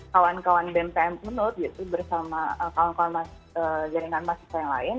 kawan kawan bmpm menurut bersama kawan kawan jaringan mahasiswa yang lain